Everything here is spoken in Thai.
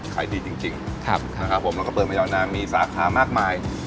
ขายดีจริงนะครับผมแล้วก็เปิดมายาวนานมีสาขามากมาย